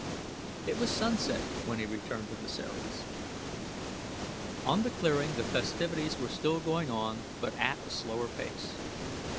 It was sunset when he returned to the Ceres. On the clearing the festivities were still going on, but at a slower pace.